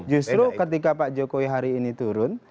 justru ketika pak jokowi hari ini turun